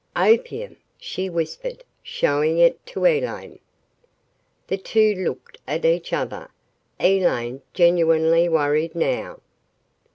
"Opium!" she whispered, showing it to Elaine. The two looked at each other, Elaine genuinely worried now.